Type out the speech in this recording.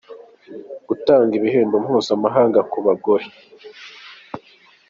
gutanga ibihembo mpuzamahanga ku bagore.